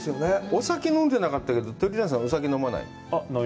お酒飲んでなかったけど、鳥谷さんはお酒飲まないの？